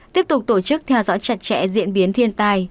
tiếp tục tổ chức theo dõi chặt chẽ diễn biến thiên tai